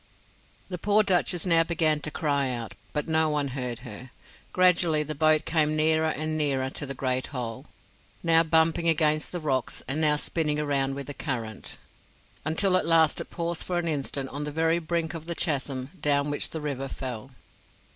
The poor Duchess now began to cry out; but no one heard her. Gradually the boat came nearer and nearer to the Great Hole, now bumping against the rocks and now spinning around with the current, until at last it paused for an instant on the very brink of the chasm down which the river fell.